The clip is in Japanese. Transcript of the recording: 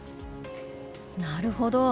なるほど。